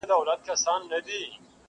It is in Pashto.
که دي نه وي زده ټول عمر دي تباه دی.!